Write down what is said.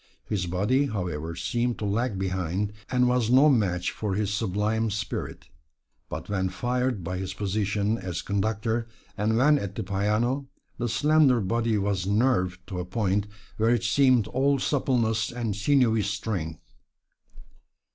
His body, however, seemed to lag behind, and was no match for his sublime spirit. But when fired by his position as Conductor, or when at the piano, the slender body was nerved to a point where it seemed all suppleness and sinewy strength.